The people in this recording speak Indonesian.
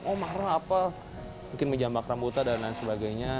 oh marah apa mungkin menjambak rambutan dan lain sebagainya